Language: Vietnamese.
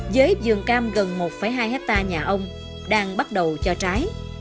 với dường cam gần một hai hectare nhà ông đang bắt đầu cho trái